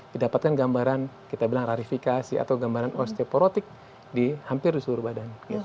didapatkan gambaran kita bilang rarifikasi atau gambaran osteoporotik di hampir di seluruh badan